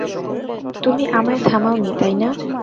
তুমি আমায় থামাওনি, তাই না?